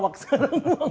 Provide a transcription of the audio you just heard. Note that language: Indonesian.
awak serem bang